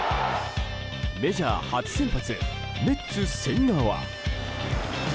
メジャー初先発メッツ、千賀は。